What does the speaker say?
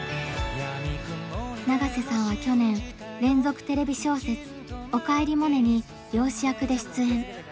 永瀬さんは去年連続テレビ小説「おかえりモネ」に漁師役で出演。